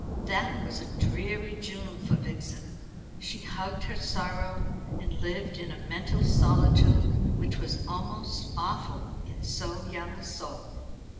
That was a dreary June for Vixen. She hugged her sorrow, and lived in a mental solitude which was almost awful in so young a soul.